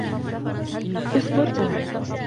اصبر تنل